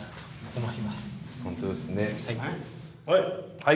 はい。